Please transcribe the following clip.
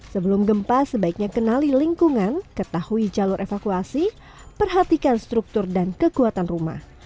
sebelum gempa sebaiknya kenali lingkungan ketahui jalur evakuasi perhatikan struktur dan kekuatan rumah